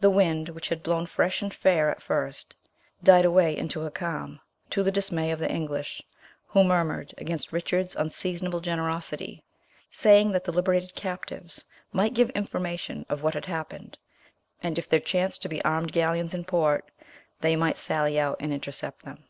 The wind, which had blown fresh and fair at first, died away into a calm, to the dismay of the English, who murmured against Richard's unseasonable generosity, saying, that the liberated captives might give information of what had happened, and that if there chanced to be armed galleons in port, they might sally out and intercept them.